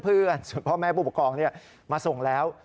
ส่วนพ่อแม่ผู้ปกครองนี่มาส่งแล้ว